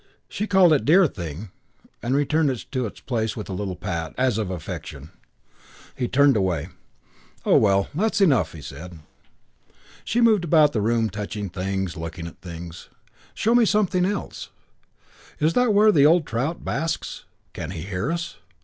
She called it "Dear thing" and returned it to its place with a little pat, as of affection. He turned away. "Oh, well, that's enough," he said. V She moved about the room, touching things, looking at things. "Show me something else. Is that where the old trout basks? Can he hear us?